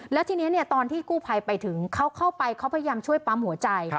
แล้วทีนี้ตอนที่กู้ภัยไปถึงเขาเข้าไปเขาพยายามช่วยปั๊มหัวใจ